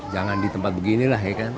jangan di tempat beginilah ya kan